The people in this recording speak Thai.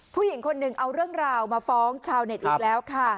ผู้หญิงคนหนึ่งเอาเรื่องราวมาฟ้องชาวเน็ตอีกแล้วค่ะ